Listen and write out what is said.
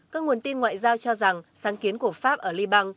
các nguồn tin ngoại giao cho rằng sáng kiến của pháp ở liban